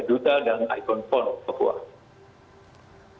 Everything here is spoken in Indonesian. duta dalam ikon pon papua